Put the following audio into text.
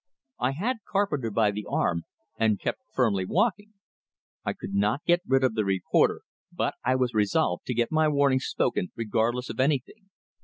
I had Carpenter by the arm, and kept him firmly walking. I could not get rid of the reporter, but I was resolved to get my warning spoken, regardless of anything.